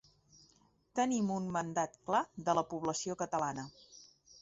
Tenim un mandat clar de la població catalana.